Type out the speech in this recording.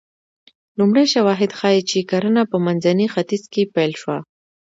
لومړي شواهد ښيي چې کرنه په منځني ختیځ کې پیل شوه